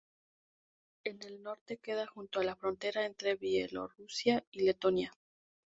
En el norte queda junto a la frontera entre Bielorrusia y Letonia.